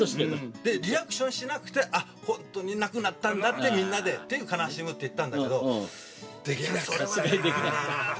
で、リアクションしなくて、あっ、本当に亡くなったんだって、みんなで悲しむって言ったんだけど、できなかったなぁ。